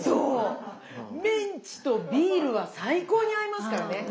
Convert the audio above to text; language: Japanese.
メンチとビールは最高に合いますからね！